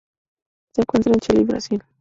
Se encuentra en Chile y Brasil.